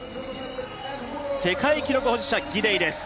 世界記録保持者ギデイです。